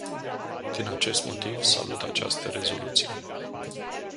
Din acest motiv, salut această rezoluție.